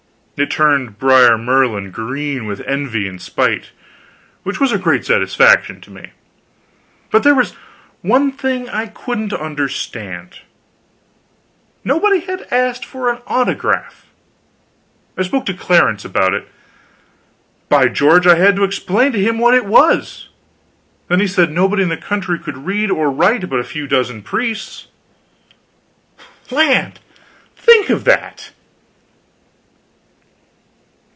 It turned Brer Merlin green with envy and spite, which was a great satisfaction to me. But there was one thing I couldn't understand nobody had asked for an autograph. I spoke to Clarence about it. By George! I had to explain to him what it was. Then he said nobody in the country could read or write but a few dozen priests. Land! think of that.